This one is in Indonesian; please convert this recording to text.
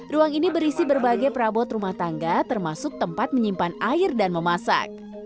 ruang ini berisi berbagai perabot rumah tangga termasuk tempat menyimpan air dan memasak